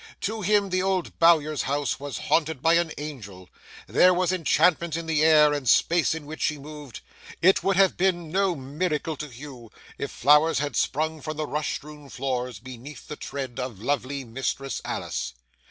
To him, the old Bowyer's house was haunted by an angel; there was enchantment in the air and space in which she moved. It would have been no miracle to Hugh if flowers had sprung from the rush strewn floors beneath the tread of lovely Mistress Alice.